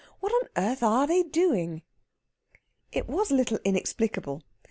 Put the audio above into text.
What on earth are they doing?" It was a little inexplicable.